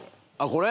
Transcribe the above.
これ？